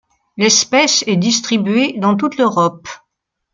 L'espèce est distribuée dans toute l'Europe.